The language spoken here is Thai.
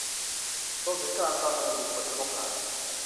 รวมถึงการประเมินบุคคลที่คบหา